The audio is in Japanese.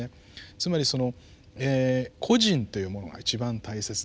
つまりその個人というものが一番大切でしょう。